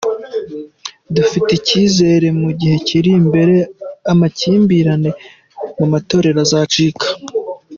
Dufite icyizere ko mu bihe biri imbere amakimbirane mu matorero azacika.